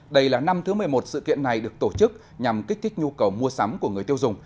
đây là năm thứ một mươi một sự kiện này được tổ chức nhằm kích thích nhu cầu mua sắm của người tiêu dùng